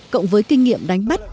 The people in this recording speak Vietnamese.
cộng với kinh nghiệm đánh bắt